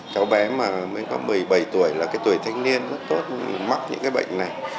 cháu bé mà mới có một mươi bảy tuổi là cái tuổi thanh niên rất tốt mắc những cái bệnh này